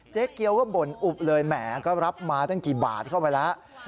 เจ๊เกียวก็บ่นอุบเลยแหมก็รับมาตั้งกี่บาทเข้าไปแล้ว